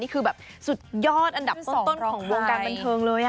นี่คือแบบสุดยอดอันดับสองของวงการบรรเทิร์ง